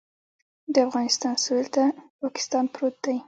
د افغانستان سویل ته پاکستان پروت دی